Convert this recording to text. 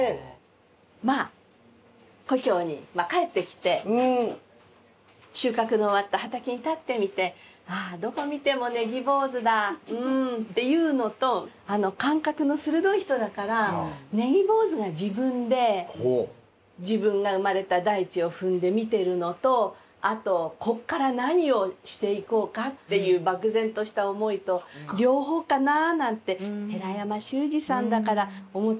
まあ故郷に帰ってきて収穫の終わった畑に立ってみて「ああどこ見ても葱坊主だうん」っていうのと感覚の鋭い人だから葱坊主が自分で自分が生まれた大地を踏んで見てるのとあとこっから何をしていこうかっていう漠然とした思いと両方かななんて寺山修司さんだから思ったりしました。